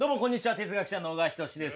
哲学者の小川仁志です。